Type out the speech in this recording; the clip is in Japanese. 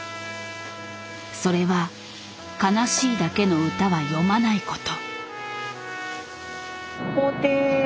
それは悲しいだけの歌は詠まないこと。